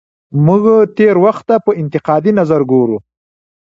موږ تېر وخت ته په انتقادي نظر ګورو.